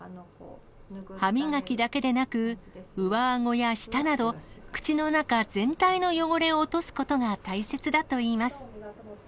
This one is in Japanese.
歯磨きだけでなく、上あごや舌など、口の中全体の汚れを落とすことが大切だといいます。